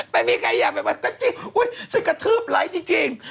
ไม่มีใครอยากแบบนั้นจริงฉันกระทืบไหลที่จริง